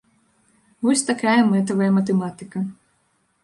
Вось такая мэтавая матэматыка.